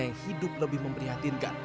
yang hidup lebih memprihatinkan